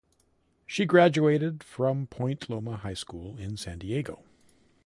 She graduated from Point Loma High School in San Diego.